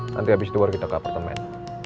nanti habis itu baru kita ke apartemen